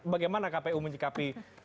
bagaimana kpu menikapi